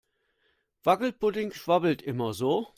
Wackelpudding schwabbelt immer so.